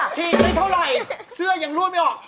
ฉีกไม่เท่าไหร่เสื้อยังรั่วไม่ออก